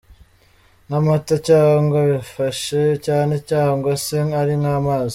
nk’amata, cyangwa bifashe cyane cyangwa se ari nk’amazi.